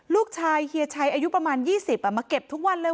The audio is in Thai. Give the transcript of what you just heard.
ลูกชายเฮียชัยอายุประมาณ๒๐มาเก็บทุกวันเลย